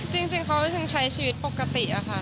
จริงเขายังใช้ชีวิตปกติอะค่ะ